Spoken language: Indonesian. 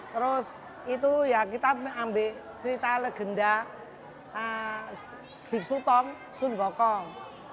terus itu ya kita ambil cerita legenda biksu kong sun gokong